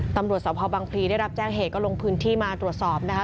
ตำรวจสภบังพลีได้รับแจ้งเหตุก็ลงพื้นที่มาตรวจสอบนะคะ